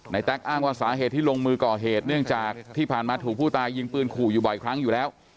แต๊กอ้างว่าสาเหตุที่ลงมือก่อเหตุเนื่องจากที่ผ่านมาถูกผู้ตายยิงปืนขู่อยู่บ่อยครั้งอยู่แล้ว